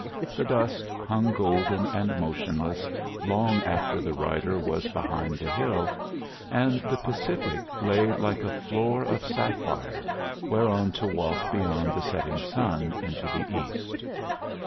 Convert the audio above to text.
The dust hung golden and motionless long after the rider was behind the hill, and the Pacific lay like a floor of sapphire, whereon to walk beyond the setting sun into the East.